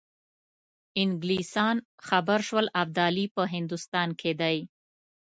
انګلیسان خبر شول ابدالي په هندوستان کې دی.